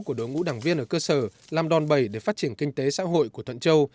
của đội ngũ đảng viên ở cơ sở làm đòn bẩy để phát triển kinh tế xã hội của thuận châu